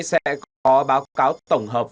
sẽ có báo cáo tổng hợp